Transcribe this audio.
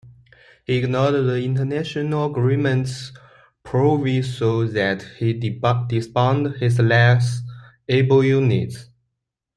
He ignored the International Agreement's proviso that he disband his less able units.